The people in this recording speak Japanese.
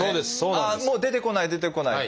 ああもう出てこない出てこない。